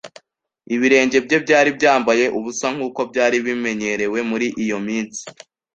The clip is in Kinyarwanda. Ibirenge bye byari byambaye ubusa, nk'uko byari bimenyerewe muri iyo minsi.